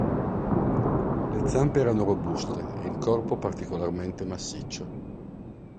Le zampe erano robuste e il corpo particolarmente massiccio.